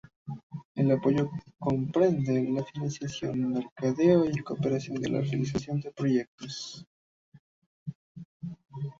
El apoyo comprende la financiación, mercadeo y cooperación en la realización de proyectos.